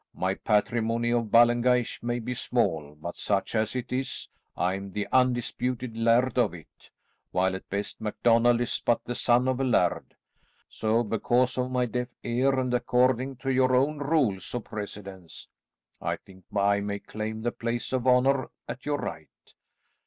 "My patrimony of Ballengeich may be small, but such as it is, I am the undisputed laird of it, while at best MacDonald is but the son of a laird, so because of my deaf ear, and according to your own rules of precedence, I think I may claim the place of honour at your right."